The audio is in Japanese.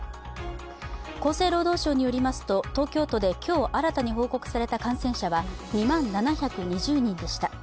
厚生労働省によりますと、東京都で今日新たに報告された感染者は２万７２０人でした。